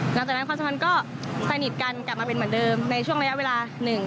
หลังจากนั้นคอสะพานก็สนิทกันกลับมาเป็นเหมือนเดิมในช่วงระยะเวลาหนึ่ง